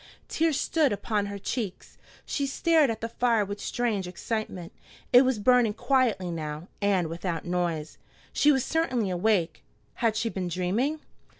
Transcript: Tears stood upon her cheeks. She stared at the fire with strange excitement. It was burning quietly now, and without noise. She was certainly awake. Had she been dreaming?